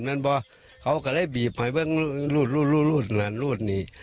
มันบอกเขากำลัยบีบให้เพิ่งรูดรูดรูดนั่นรูดนี่